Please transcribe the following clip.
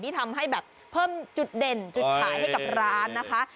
เพิ่มจุดเด่นจุดถ่ายให้กับร้านนะคะ